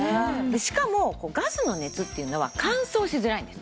しかもガスの熱っていうのは乾燥しづらいんです。